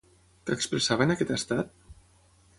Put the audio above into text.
Què expressava en aquest estat?